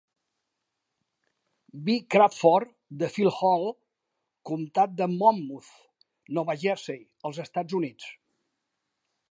B. Crawford de Freehold, comtat de Monmouth, Nova Jersey, els Estats Units.